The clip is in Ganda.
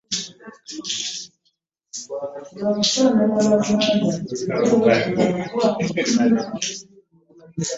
Olubugo baalumansirako omusayi gw’embuzi eyo gy’awuuse ne baluweereza eri ssenga we.